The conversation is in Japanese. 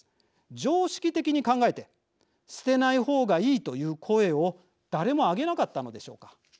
常識的に考えて捨てない方がいいという声を誰も上げなかったのでしょうか。